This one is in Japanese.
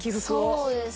そうです。